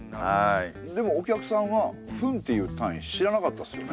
でもお客さんは「分」っていう単位知らなかったですよね。